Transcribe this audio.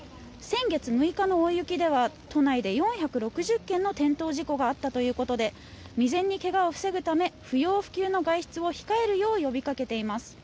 先月６日の大雪では都内で４６０件の転倒事故があったということで未然に怪我を防ぐため不要不急の外出を控えるよう呼びかけています。